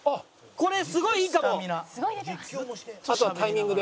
これすごいいいです！